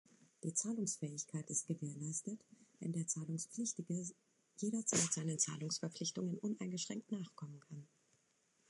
Die Zahlungsfähigkeit ist gewährleistet, wenn der Zahlungspflichtige jederzeit seinen Zahlungsverpflichtungen uneingeschränkt nachkommen kann.